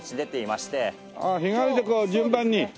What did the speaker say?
ああ日替わりでこう順番に。